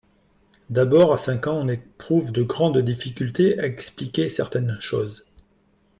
D'abord, a cinq ans, on éprouve de grandes difficultés à expliquer certaines choses.